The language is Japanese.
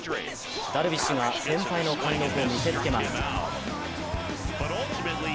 ダルビッシュが先輩の貫禄を見せつけます。